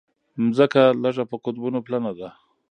ځمکه لږه په قطبونو پلنه ده.